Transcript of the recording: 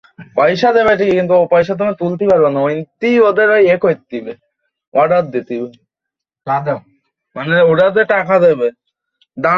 ওর একজন ভাই আছে যে শাংহাইতে থাকে।